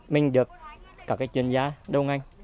mình được các chuyên gia đồng ngành